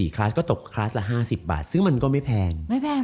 คลาสก็ตกคลาสละ๕๐บาทซึ่งมันก็ไม่แพง